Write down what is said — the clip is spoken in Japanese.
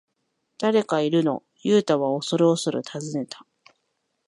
「誰かいるの？」ユウタはおそるおそる尋ねた。